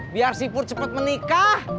biar sipur cepet menikah